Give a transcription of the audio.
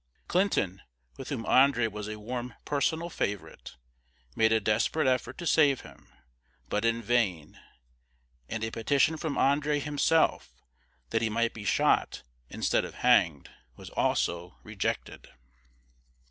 Clinton, with whom André was a warm personal favorite, made a desperate effort to save him, but in vain; and a petition from André himself that he might be shot instead of hanged was also rejected.